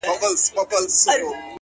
لا به په تا پسي توېږي اوښکي؛